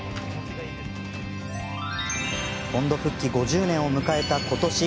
本土復帰５０年を迎えた、ことし。